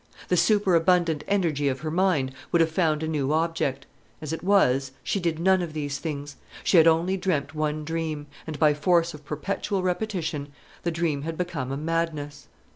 The superabundant energy of her mind would have found a new object. As it was, she did none of these things. She had only dreamt one dream, and by force of perpetual repetition the dream had become a madness.